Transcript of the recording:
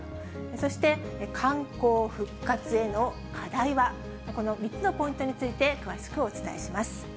そして、観光復活への課題は、この３つのポイントについて詳しくお伝えします。